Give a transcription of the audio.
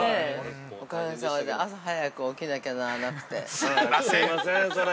◆おかげさまで朝早く起きなきゃならなくて◆すいません、それ。